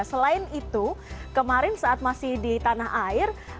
selain itu kemarin saat masih di tanah air